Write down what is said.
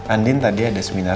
andin tadi ada seminar